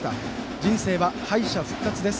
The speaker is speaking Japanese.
人生は敗者復活です。